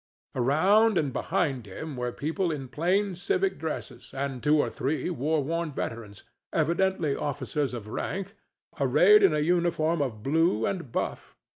Around and behind him were people in plain civic dresses and two or three war worn veterans—evidently officers of rank—arrayed in a uniform of blue and buff.